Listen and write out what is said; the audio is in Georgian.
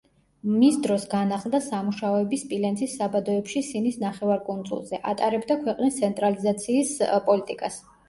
მის დროს განახლდა სამუშაოები სპილენძის საბადოებში სინის ნახევარკუნძულზე, ატარებდა ქვეყნის ცენტრალიზაციის პოლიტიკას.